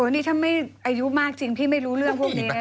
นี่ถ้าไม่อายุมากจริงพี่ไม่รู้เรื่องพวกนี้